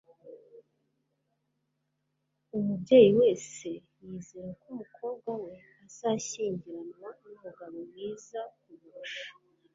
umubyeyi wese yizera ko umukobwa we azashyingiranwa n'umugabo mwiza kumurusha